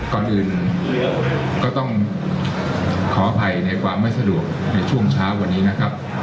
ก่อนอื่นก็ต้องขออภัยในความไม่สะดวกในช่วงเช้าวันนี้นะครับ